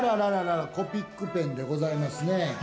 コピックペンでございますね。